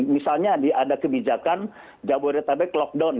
misalnya ada kebijakan jabodetabek lockdown